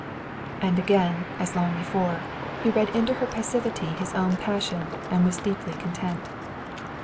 And again, as long before, he read into her passivity his own passion, and was deeply content.